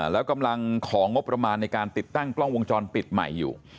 แล้วกำลังของงบประมาณในการติดตั้งกล้องวงจรปิดใหม่อยู่